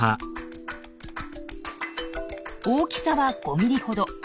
大きさは５ミリほど。